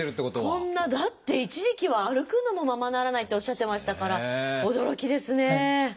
こんなだって一時期は歩くのもままならないっておっしゃってましたから驚きですね。